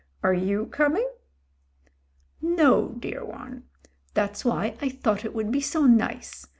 "Are you coming?" "No, dear one. That's why I thought it would be so nice.